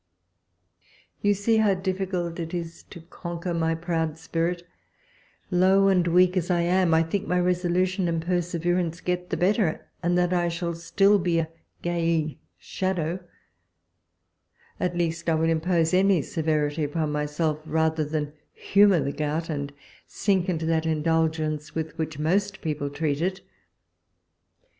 You see how difficult it is to conquer my proud spirit : low and weak as I am, I think my resolu tion and perseverance get the better, and that I shall still be a gay shadow ; at least, I will im pose any severity upon myself, rather than humour the gout, and sink into that indulgence with which most people treat it.